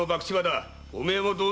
おめえも同罪！